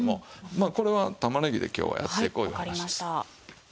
まあこれは玉ねぎで今日はやっていこういう話です。